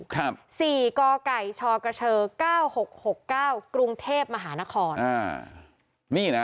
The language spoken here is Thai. ๔กก๙๖๖๙กรุงเทพฯมหานคร